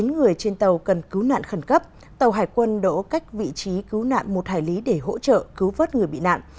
chín người trên tàu cần cứu nạn khẩn cấp tàu hải quân đổ cách vị trí cứu nạn một hải lý để hỗ trợ cứu vớt người bị nạn